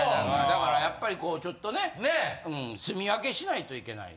だからやっぱりこうちょっとねすみ分けしないといけない。